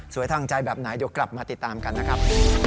ทางใจแบบไหนเดี๋ยวกลับมาติดตามกันนะครับ